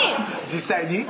実際に？